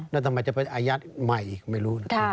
แล้วทำไมจะไปอายัดใหม่ไม่รู้นะครับ